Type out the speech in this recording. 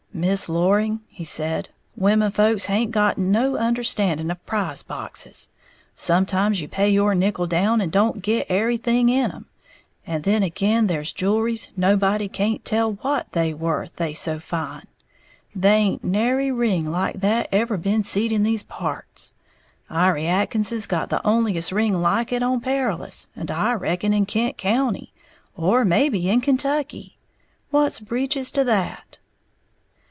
"Miss Loring," he said, "womenfolks haint got no understanding of prize boxes. Sometimes you pay your nickel down and don't git ary thing in 'em; and then ag'in there's jewelries nobody can't tell what they worth, they so fine. Thaint nary ring like that ever been seed in these parts. Iry Atkins's got the onliest ring like it on Perilous, or I reckon in Kent County, or maybe in Kentucky! What's breeches to that?"